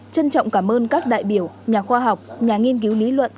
trân trọng cảm ơn các đại biểu nhà khoa học nhà nghiên cứu lý luận